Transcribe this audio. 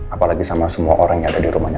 apalagi sama semua orang yang ada di rumahnya